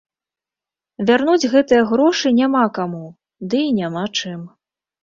Вярнуць гэтыя грошы няма каму, ды і няма чым.